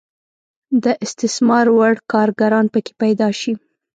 د استثمار وړ کارګران پکې پیدا شي.